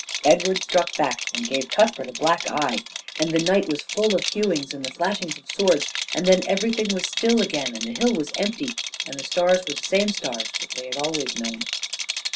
Edward struck back, and gave Cuthbert a black eye, and the night was full of hewings and the flashings of swords; and then everything was still again, and the hill was empty, and the stars were the same stars that they had always known.